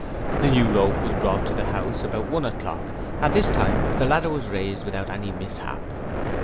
The new rope was brought to the house about one o'clock and this time the ladder was raised without any mishap.